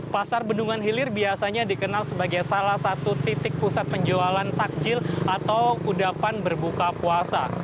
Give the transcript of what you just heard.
pasar bendungan hilir biasanya dikenal sebagai salah satu titik pusat penjualan takjil atau kudapan berbuka puasa